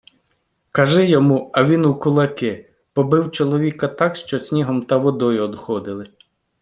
Кажи йому, а він у кулаки, побив чоловіка так, що снігом та водою одходили.